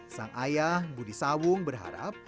sang ayah budi sawung berharap